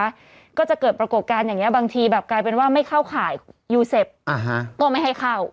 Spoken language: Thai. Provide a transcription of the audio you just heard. แล้วก็จะเกิดปรากฏการณ์อย่างเงี้บางทีแบบกลายเป็นว่าไม่เข้าข่ายยูเซฟก็ไม่ให้เข้า